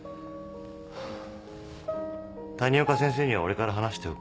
谷岡先生には俺から話しておくよ。